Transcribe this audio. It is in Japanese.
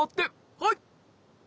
はい！